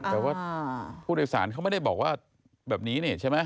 แต่ว่าผู้โดยสารเขาไม่ได้บอกว่าแบบนี้นี่ใช่ไหม